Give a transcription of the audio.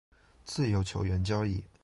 自由球员交易